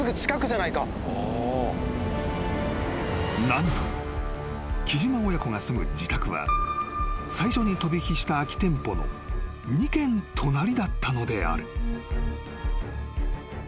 ［何と木島親子が住む自宅は最初に飛び火した空き店舗の２軒隣だったのである］